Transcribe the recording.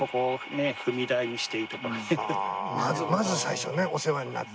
まず最初ねお世話になってみたいな。